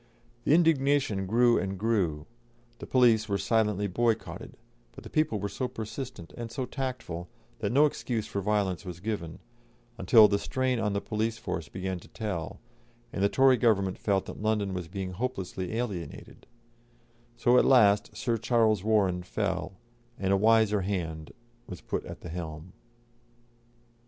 The indignation grew and grew; the police were silently boycotted, but the people were so persistent and so tactful that no excuse for violence was given, until the strain on the police force began to tell, and the Tory Government felt that London was being hopelessly alienated; so at last Sir Charles Warren fell, and a wiser hand was put at the helm.